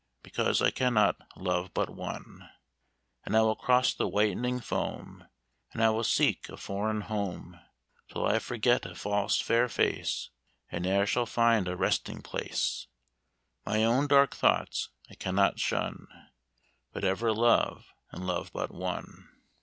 Because I cannot love but one. "And I will cross the whitening foam, And I will seek a foreign home; Till I forget a false fair face, I ne'er shall find a resting place; My own dark thoughts I cannot shun, But ever love, and love but one.